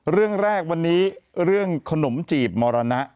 เรื่องแรกวันนี้เรื่องขนมจีบมรณะ